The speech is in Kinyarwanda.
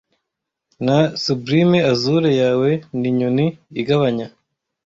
na sublime azure yawe ninyoni igabanya